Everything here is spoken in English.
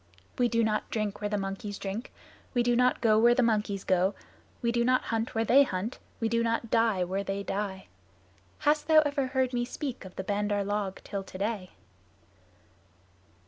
We do not drink where the monkeys drink; we do not go where the monkeys go; we do not hunt where they hunt; we do not die where they die. Hast thou ever heard me speak of the Bandar log till today?"